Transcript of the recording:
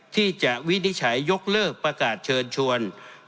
วินิจฉัยยกเลิกประกาศเชิญชวน